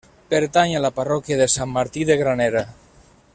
Pertany a la parròquia de Sant Martí de Granera.